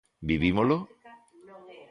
Vivímolo?